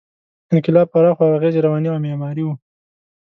انقلاب پراخ و او اغېز یې رواني او معماري و.